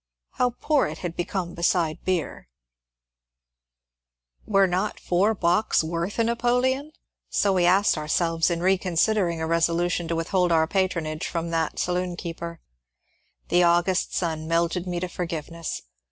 How poor it had become beside beer ! Were not four bocks worth a napo leon ? So we asked ourselves, in reconsidering a resolution to withhold our patronage from that saloon keeper. The August sun melted me to forgiveness.